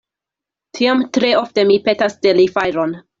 Tiam tre ofte mi petas de li fajron.